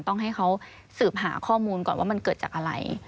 ต้องให้เขาสืบหาข้อมูลก่อนว่ามันเกิดจากอะไร